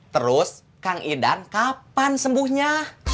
terus kang idam kapan sembuhnya